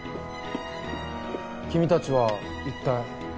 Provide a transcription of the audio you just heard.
君たちは一体。